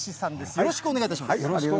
よろしくお願いします。